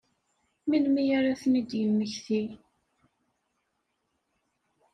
Melmi ara ad ten-id-yemmekti?